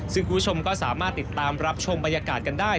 ซึ่งคุณผู้ชมก็สามารถติดตามรับชมบรรยากาศกันได้